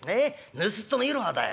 ぬすっとのいろはだよ。